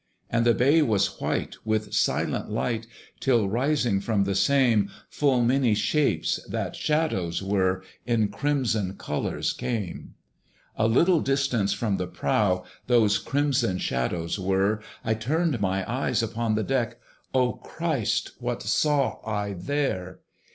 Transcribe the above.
And the bay was white with silent light, Till rising from the same, Full many shapes, that shadows were, In crimson colours came. A little distance from the prow Those crimson shadows were: I turned my eyes upon the deck Oh, Christ! what saw I there!